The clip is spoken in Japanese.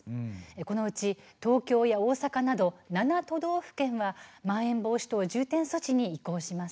このうち東京や大阪など７都道府県はまん延防止等重点措置に移行します。